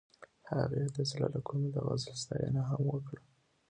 هغې د زړه له کومې د غزل ستاینه هم وکړه.